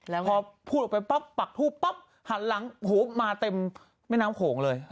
พอพูดออกไปปักทู่หันหลังมาเต็มเม็น้ำโขงเลย